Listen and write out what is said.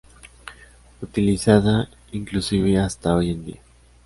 Utilizada inclusive hasta hoy en día.